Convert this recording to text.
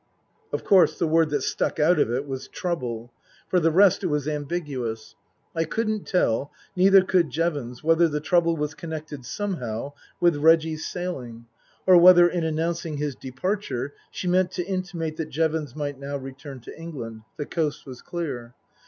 Of course the word that stuck out of it was " Trouble." For the rest it was ambiguous. I couldn't tell, neither could Jevons, whether the trouble was connected somehow with Reggie's sailing, or whether in announcing his de parture she meant to intimate that Jevons might now return to England ; the coast was clear.